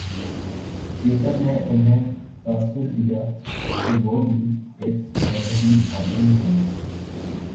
Putin نے انہیں تاثر دیا کہ وہ بھی ایک مذہبی آدمی ہیں۔